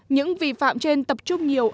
những vi phạm trên tập trung nhiều